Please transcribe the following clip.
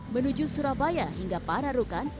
menuju surabaya hingga panarukan